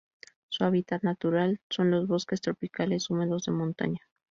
Su hábitat natural son los bosques tropicales húmedos de montaña.